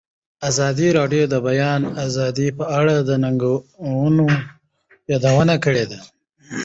ازادي راډیو د د بیان آزادي په اړه د ننګونو یادونه کړې.